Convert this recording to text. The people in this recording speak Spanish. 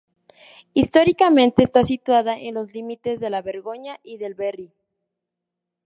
Históricamente está situada en los límites de la Borgoña y del Berry.